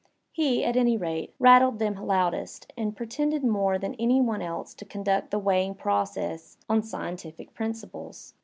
He, at any rate, rattled them loudest, and pretended more than any one else to conduct the weighing process on scientific principles.